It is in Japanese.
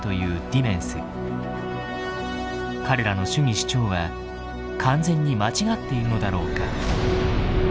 彼らの主義主張は完全に間違っているのだろうか。